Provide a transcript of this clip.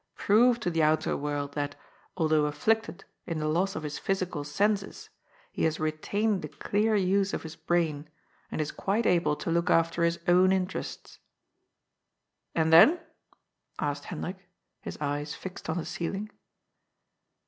Prove to the outer world that, although afiElicted in the loss of his physical senses, he has retained the clear use of his brain and is quite able to look after his own interests." ^^And then?" asked Hendrik, his eyes fited on the ceiling.